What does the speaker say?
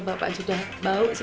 bau seperti itu ya dimandikan